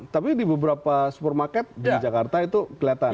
tapi di beberapa supermarket di jakarta itu kelihatan